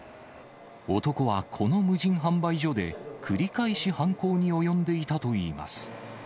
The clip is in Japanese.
男はこの無人販売所で、繰り返し犯行に及んでいたといいます。